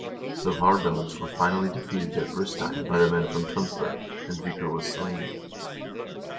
The Varbelgs were finally defeated at Bristein by the men from Tunsberg, and Vikar was slain.